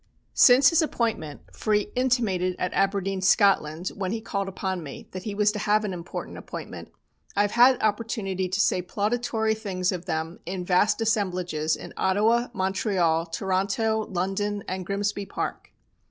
Since his appointment for he intimated at Aberdeen, Scotland, when he called upon me, that he was to have an important appointment I have had opportunity to say plauditory things of them in vast assemblages in Ottawa, Montreal, Toronto, London and Grimsby Park.